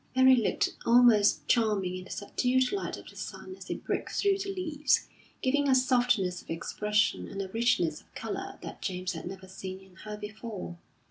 Mary looked almost charming in the subdued light of the sun as it broke through the leaves, giving a softness of expression and a richness of colour that James had never seen in her before.